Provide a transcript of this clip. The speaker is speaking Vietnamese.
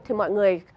thì mọi người